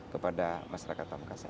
kepada masyarakat pemekasan